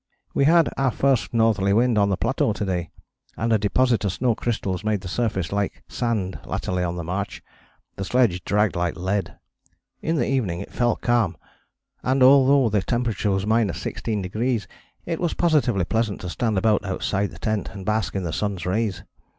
"We had our first northerly wind on the plateau to day, and a deposit of snow crystals made the surface like sand latterly on the march. The sledge dragged like lead. In the evening it fell calm, and although the temperature was 16° it was positively pleasant to stand about outside the tent and bask in the sun's rays.